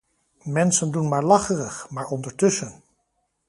Mensen doen maar lacherig, maar ondertussen.